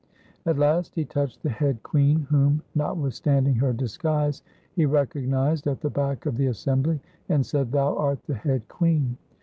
At last he touched the head queen whom, notwithstanding her disguise, he recognized at the back of the assembly and said, ' Thou art the head queen.'